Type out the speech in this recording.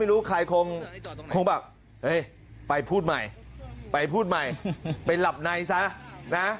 รู้ใครคงแบบเฮ้ยไปพูดใหม่ไปพูดใหม่ไปหลับในซะนะ